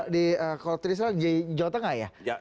di kotrisla jawa tengah ya